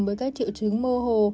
với các triệu trứng mô hồ